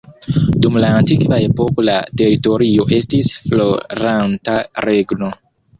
Dum la antikva epoko la teritorio estis floranta regno.